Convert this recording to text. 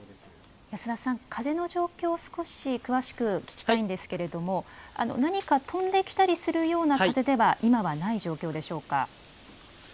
保田さん、風の状況を少し詳しく聞きたいんですけれども、何か飛んできたりするような風では、今はない状況でしょうか。